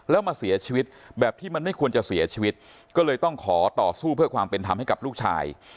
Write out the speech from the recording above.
แล้วมาเสียชีวิตแบบที่มันไม่ควรจะเสียชีวิตก็เลยต้องขอต่อสู้เพื่อความเป็นธรรมให้กับลูกชาย